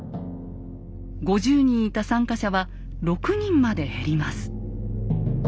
５０人いた参加者は６人まで減ります。